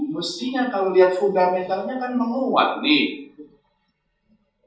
mestinya kalau lihat fundamentalnya kan menguat nih